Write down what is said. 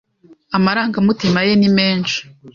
Amarangamutima ye ni menshi